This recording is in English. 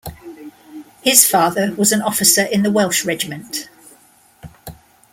His father was an officer in the Welsh Regiment.